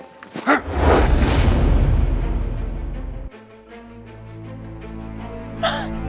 dasar kumparan buat r snacks